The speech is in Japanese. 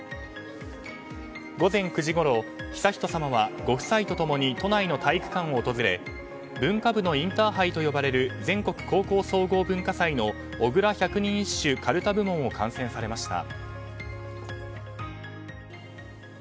午前９時ごろ悠仁さまは、ご夫妻とともに都内の体育館を訪れ文化部のインターハイと呼ばれる全国高校総合文化祭の小倉百人一首かるた部門を観戦されました。